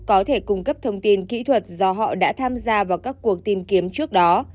có thể cung cấp thông tin kỹ thuật do họ đã tham gia vào các cuộc tìm kiếm trước đó